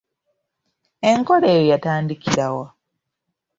Enkola eyo yatandikira wa?